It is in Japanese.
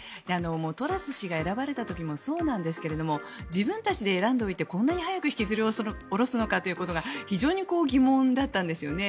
トラス氏が選ばれた時もそうなんですが自分たちで選んでおいてこんなに早く引きずり下ろすのかということが非常に疑問だったんですよね。